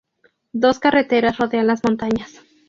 Dos carreteras rodean las montañas.